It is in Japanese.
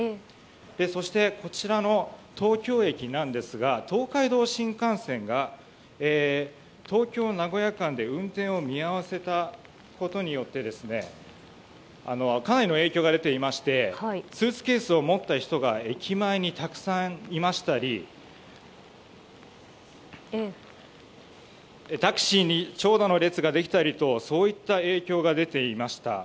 そしてこちらの東京駅なんですが東海道新幹線が東京名古屋間で運転を見合わせたことによってかなりの影響が出ていましてスーツケースを持った人が駅前にたくさんいましたりタクシーに長蛇の列ができたりとそういった影響が出ていました。